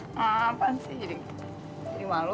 ck apaan sih jadi malu